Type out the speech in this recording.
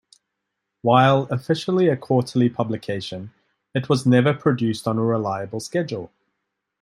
While officially a quarterly publication, it was never produced on a reliable schedule.